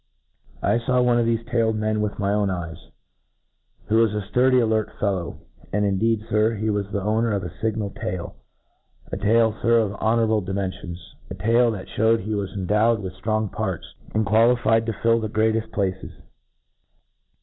I few one of thefe tailed men with my own eyes, who was a fturdy alert fellow ;— and, indeed. Sir, he was the owner of a fignal tail ;— ^a tail. Sir, of honourable dimen fions ;— ^a tail, that Ihewcd he was endowed with ftroiTg parts, and qualified to fill the greatcft pla ces, PR E.